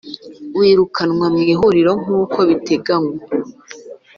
Wirukanwa mu ihuriro nk uko biteganywa